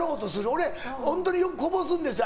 俺、本当によくこぼすんですよ。